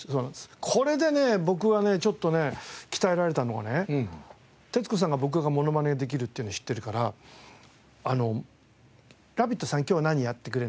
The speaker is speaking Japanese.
ちょっとね鍛えられたのがね徹子さんが僕がモノマネできるっていうの知ってるからラビットさん今日は何やってくれるんですか？